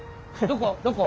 どこ？